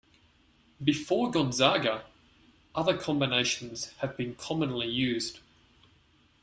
Before Gonzaga other combinations have been commonly used.